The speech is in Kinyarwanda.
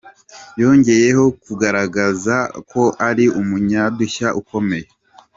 Yongeye kugaragaza ko ari umunyadushya ukomeye.